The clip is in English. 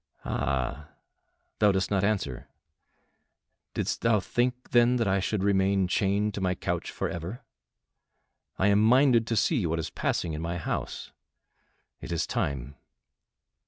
"Ah! thou dost not answer. Didst thou think, then, that I should remain chained to my couch forever? I am minded to see what is passing in my house. It is time."